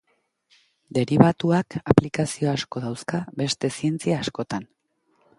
Deribatuak aplikazio asko dauzka beste zientzia askotan.